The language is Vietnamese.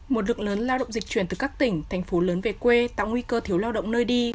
một lượng lớn lao động dịch chuyển từ các tỉnh thành phố lớn về quê tạo nguy cơ thiếu lao động nơi đi